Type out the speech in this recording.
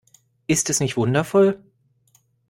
Ist es nicht wundervoll?